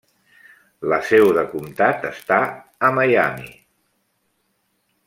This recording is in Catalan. La seu de comtat està a Miami.